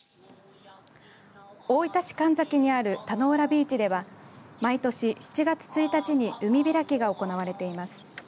大分市神崎にある田ノ浦ビーチでは毎年７月１日に海開きが行われています。